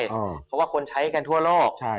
เพราะว่าคนใช้กันทั่วโลก